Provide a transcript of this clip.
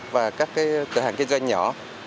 và các cái cửa hàng kinh doanh nhỏ